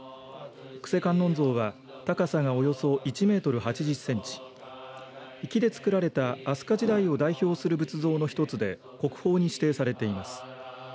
救世観音像は高さがおよそ１メートル８０センチ、木でつくられた飛鳥時代を代表する仏像の１つで国宝に指定されています。